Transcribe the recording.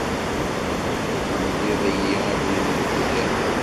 Temliḍ-iyi abrid n tudert.